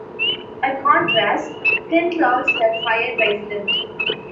By contrast, flintlocks were fired by flint.